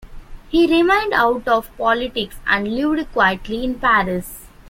He remained out of politics and lived quietly in Paris.